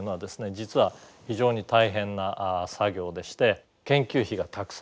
実は非常に大変な作業でして研究費がたくさんかかりました。